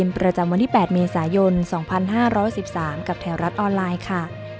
ประจำวันที่๘เมษายน๒๕๖๓กับแถวรัฐออนไลน์ค่ะ